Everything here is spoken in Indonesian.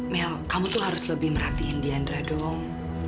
mil kamu tuh harus lebih merhatiin dian dong